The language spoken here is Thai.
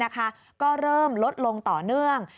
ก็เริ่มลดลงต่อเนื่อง